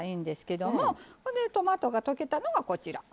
トマトが溶けたのがこちら。